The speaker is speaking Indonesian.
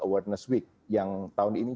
awareness week yang tahun ini